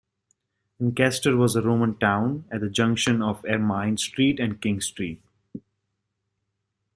Ancaster was a Roman town at the junction of Ermine Street and King Street.